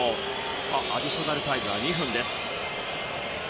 アディショナルタイムは２分です。